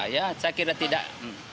saya kira tidak